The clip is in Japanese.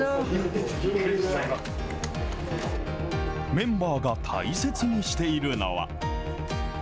メンバーが大切にしているのは。